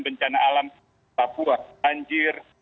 bencana alam papua banjir